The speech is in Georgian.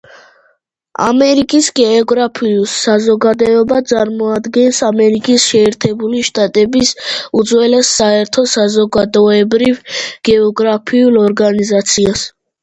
ამერიკის გეოგრაფიული საზოგადოება წარმოადგენს ამერიკის შეერთებული შტატების უძველეს საერთო საზოგადოებრივ გეოგრაფიულ ორგანიზაციას.